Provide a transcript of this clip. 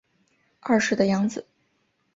二世的养子。